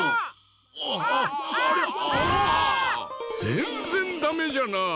ぜんぜんダメじゃなあ。